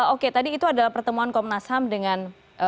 oke tadi itu adalah pertemuan komnasam dengan